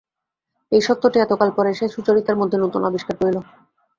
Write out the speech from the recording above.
এই সত্যটি এতকাল পরে সে সুচরিতার মধ্যে নূতন আবিষ্কার করিল।